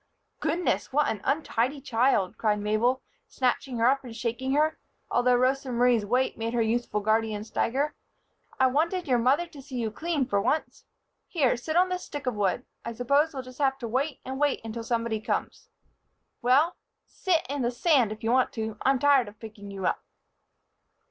"Goodness! What an untidy child!" cried Mabel, snatching her up and shaking her, although Rosa Marie's weight made her youthful guardian stagger. "I wanted your mother to see you clean, for once. Here, sit on this stick of wood. I s'pose we'll just have to wait and wait until somebody comes. Well, sit in the sand if you want to. I'm tired of picking you up."